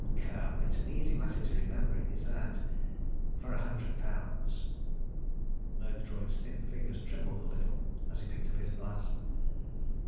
Come! It's an easy matter to remember is that for a hundred pounds." Murgatroyd's thin fingers trembled a little as he picked up his glass.